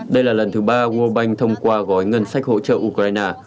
đây là lần thứ ba world bank thông qua gói ngân sách hỗ trợ ukraine